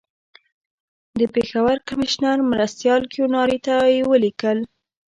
د پېښور کمیشنر مرستیال کیوناري ته یې ولیکل.